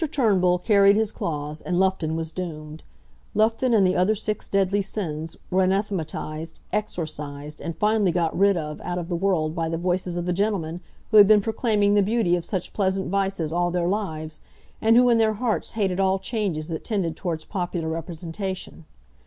Turnbull carried his clause, and Loughton was doomed. Loughton and the other six deadly sins were anathematized, exorcised, and finally got rid of out of the world by the voices of the gentlemen who had been proclaiming the beauty of such pleasant vices all their lives, and who in their hearts hated all changes that tended towards popular representation.